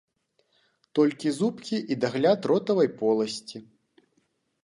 Толькі зубкі і дагляд ротавай поласці.